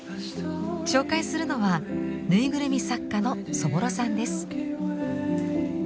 紹介するのはぬいぐるみ作家のそぼろさんです。